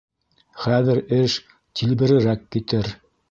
—Хәҙер эш тилберерәк китер.